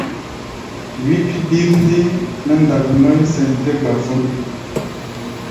Wí pí̧ birndiŋ mɛ́ ndak nɔ̧́í̧ sɛn tɛ́ gbafón.